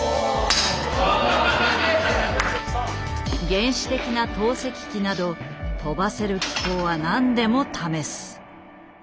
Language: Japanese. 原始的な投石機など跳ばせる機構は何でも試す。